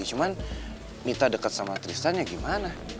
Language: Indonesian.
cuman mita deket sama tristan ya gimana